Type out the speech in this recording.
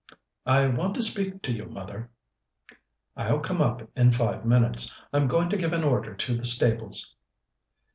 "I want to speak to you, mother." "I'll come up in five minutes. I'm going to give an order to the stables."